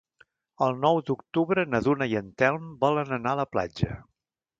El nou d'octubre na Duna i en Telm volen anar a la platja.